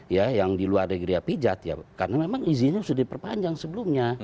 ya yang di luar griapijat ya karena memang izinnya sudah diperpanjang sebelumnya